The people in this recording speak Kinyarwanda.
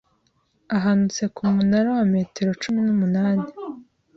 ahanutse ku munara wa metero cumi numunani